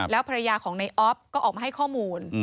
แล้วภรรยาของในออฟก็ออกมาให้ข้อมูล